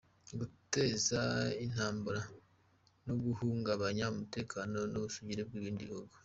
– Guteza intambara no guhungabanya umutekano n’ ubusugire by’ibindi bihugu;